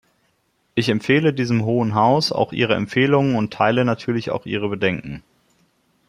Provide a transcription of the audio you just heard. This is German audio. Ich empfehle diesem Hohen Haus auch ihre Empfehlungen und teile natürlich auch ihre Bedenken.